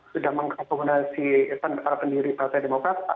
sudah mengakomodasi para pendiri partai demokrat